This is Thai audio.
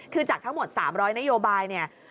คือจากทั้งหมด๓๐๐นโยบาย